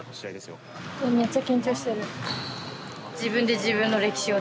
めっちゃ緊張してる。